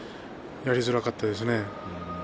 やりづらかったですね。